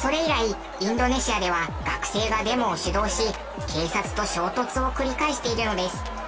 それ以来インドネシアでは学生がデモを主導し警察と衝突を繰り返しているのです。